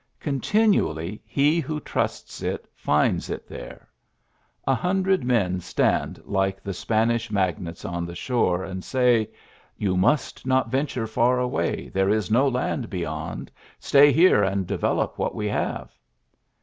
CJontinually he who trusts it finds it there. A hundred men stand like the Spanish magnates on the shore, and say :^ You must not venture far away. There is no land beyond. Stay here, and develop what we have.